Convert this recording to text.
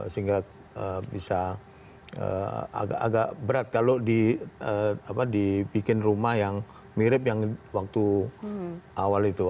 sehingga bisa agak berat kalau dibikin rumah yang mirip yang waktu awal itu